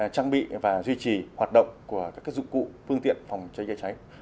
trang bị và duy trì hoạt động của các dụng cụ phương tiện phòng cháy chữa cháy